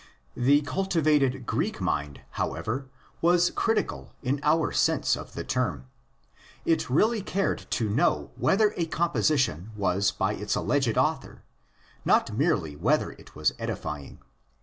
The cultivated Greek mind, however, was critical in our sense of the term. It really cared to know whether a composition was by its alleged . author ; not merely whether it was edifying.